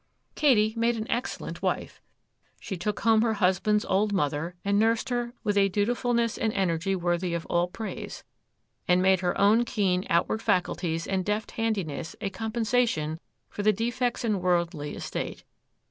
Katy made an excellent wife: she took home her husband's old mother, and nursed her with a dutifulness and energy worthy of all praise, and made her own keen outward faculties and deft handiness a compensation for the defects in worldly estate.